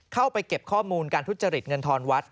เข้าไปเก็บข้อมูลการทุจริตเงินทอนวัด